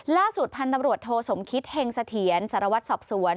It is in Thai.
ล่าสุดพันธุ์ตำรวจโทสมคิตเฮงเสถียรสารวัตรสอบสวน